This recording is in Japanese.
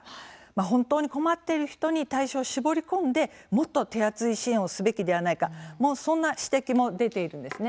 本当に困っている人に対象を絞り込んでもっと手厚い支援をすべきではないかそんな指摘も出ているんです。